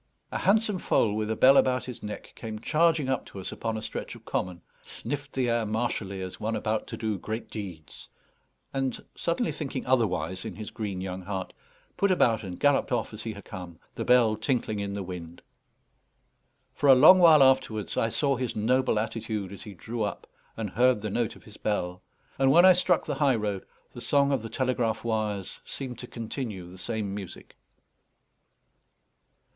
A handsome foal with a bell about his neck came charging up to us upon a stretch of common, sniffed the air martially as one about to do great deeds, and, suddenly thinking otherwise in his green young heart, put about and galloped off as he had come, the bell tinkling in the wind. For a long while afterwards I saw his noble attitude as he drew up, and heard the note of his bell; and when I struck the high road, the song of the telegraph wires seemed to continue the same music.